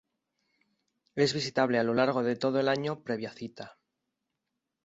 Es visitable a lo largo de todo el año previa cita.